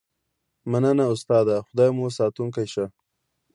مننه استاده خدای مو ساتونکی شه